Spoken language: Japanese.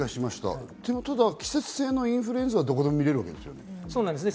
季節性インフルエンザはどこでも診られるわけですよね。